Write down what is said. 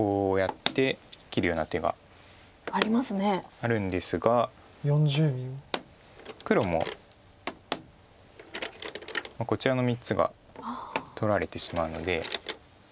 あるんですが黒もこちらの３つが取られてしまうので。